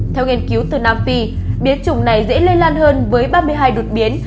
theo nghiên cứu từ nam phi biến chủng này dễ lây lan hơn với ba mươi hai đột biến